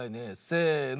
せの。